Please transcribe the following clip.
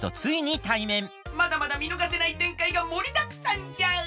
まだまだみのがせないてんかいがもりだくさんじゃ！